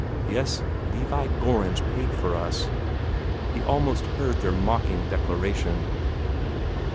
"Yes, Levi Gorringe paid for us!" He almost heard their mocking declaration.